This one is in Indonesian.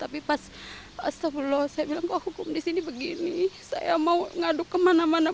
tapi pas asapullah saya bilang kok hukum di sini begini saya mau ngaduk kemana mana